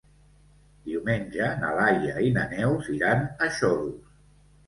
Diumenge na Laia i na Neus iran a Xodos.